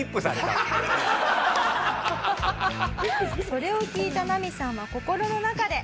それを聞いたナミさんは心の中で。